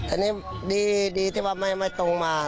อันนี้ดีที่ว่าไม่ตรงมา